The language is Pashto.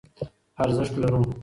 ارزښت لرو.